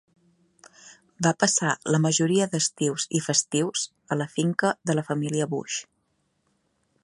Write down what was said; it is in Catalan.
Va passar la majoria d'estius i festius a la finca de la família Bush.